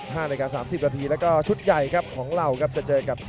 ว่ากับทหารเคะยาก